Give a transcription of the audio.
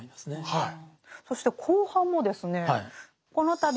はい。